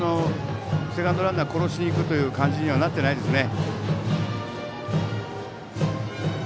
セカンドランナーを殺しにいく感じにはなっていないですね。